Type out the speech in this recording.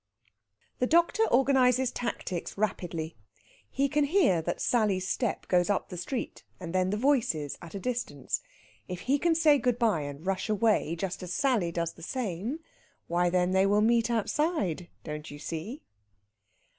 The doctor organizes tactics rapidly. He can hear that Sally's step goes up the street, and then the voices at a distance. If he can say good bye and rush away just as Sally does the same, why then they will meet outside, don't you see?